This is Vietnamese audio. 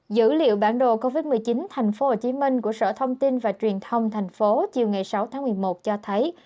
dữ liệu bản đồ covid một mươi chín tp hcm của sở thông tin và truyền thông thành phố chiều ngày sáu tháng một mươi một cho thấy